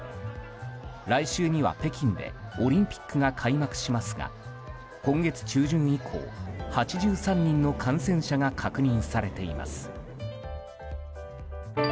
来週には北京でオリンピックが開幕しますが今月中旬以降、８３人の感染者が確認されています。